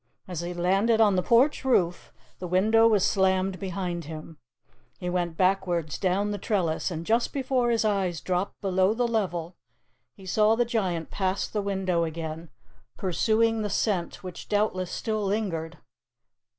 As he landed on the porch roof, the window was slammed behind him. He went backwards down the trellis, and just before his eyes dropped below the level, he saw the Giant pass the window again, pursuing the scent, which doubtless still lingered.